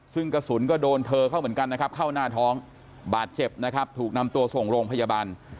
ซึ่งกระสุนก็โดนเธอเข้าเหมือนกันนะครับเข้าหน้าท้องบาดเจ็บนะครับถูกนำตัวส่งโรงพยาบาล